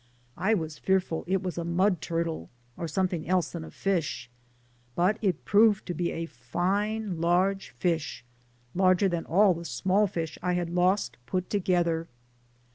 I was fearful it was a mud turtle or something else than a fish, but it proved to be a fine, large fish, larger than all the small fish I had lost put together.